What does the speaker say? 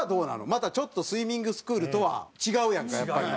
またちょっとスイミングスクールとは違うやんかやっぱり。